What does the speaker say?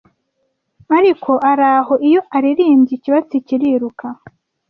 ariko araho iyo aririmbye ikibatsi kiruka